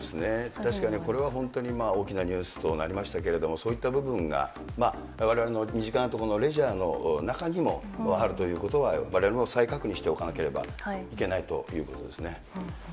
確かにこれは本当に大きなニュースとなりましたけれども、そういった部分が、われわれの身近なところのレジャーの中にもあるということは、われわれも再確認しておかなければいけないということですね。